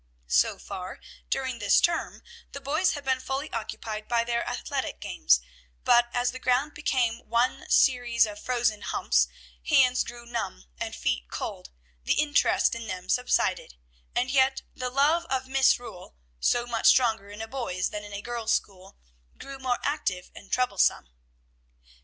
So far, during this term, the boys had been fully occupied by their athletic games; but as the ground became one series of frozen humps, hands grew numb, and feet cold, the interest in them subsided; and yet the love of misrule, so much stronger in a boys' than in a girls' school, grew more active and troublesome.